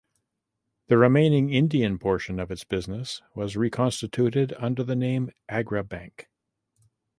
The remaining Indian portion of its business was reconstituted under the name Agra Bank.